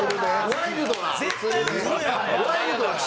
ワイルドな人。